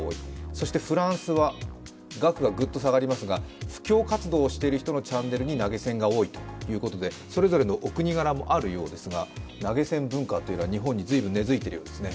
そしてフランスは、額がグッと下がりますが、布教活動をしている人のチャンネルに投げ銭が多いということでそれぞれのお国柄もあるようですが投げ銭文化は、随分日本に根づいているようですね。